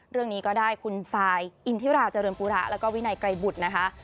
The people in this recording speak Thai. เรื่องนี้ก็ได้คุณซายอินทิราเจริญปูระแล้วก็วินัยไกรบุตรนะคะ